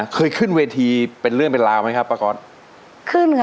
เคยขึ้นเวทีเป็นเรื่องเป็นแรมหรือเปล่า